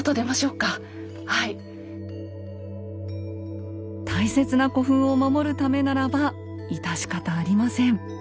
大切な古墳を守るためならば致し方ありません。